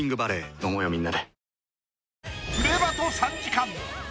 飲もうよみんなで。